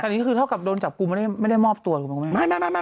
แต่นี่คือเท่ากับโดนจับกุมไม่ได้มอบตัวหรือเปล่า